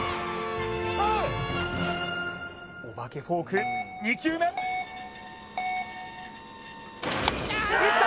プレーお化けフォーク２球目打った！